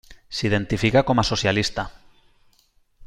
S'identifica com a socialista.